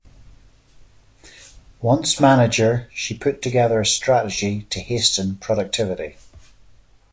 Once manager, she put together a strategy to hasten productivity.